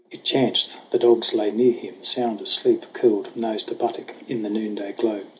92 SONG OF HUGH GLASS It chanced the dogs lay near him, sound asleep, Curled nose to buttock in the noonday glow.